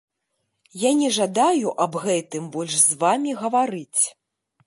Я не жадаю аб гэтым больш з вамі гаварыць.